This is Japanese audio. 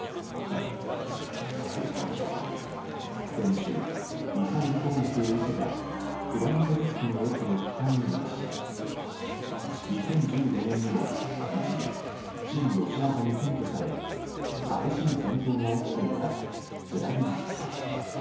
先週、ミサイル攻撃を受けたクラマトルスクの駅の北に位置し２０１４年にも一時、親ロシア派に占拠され激しい戦闘が起きていたスラビャンスク。